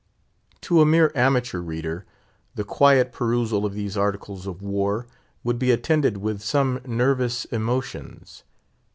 To a mere amateur reader the quiet perusal of these Articles of War would be attended with some nervous emotions.